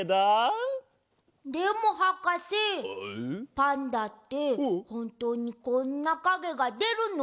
パンダってほんとうにこんなかげがでるの？